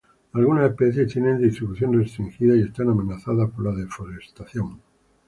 Algunas especies tienen distribución restringida y están amenazadas por la deforestación.